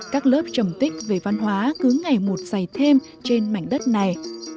các lớp trầm tích về văn hóa cứ ngày một dày thêm trên mảnh đất này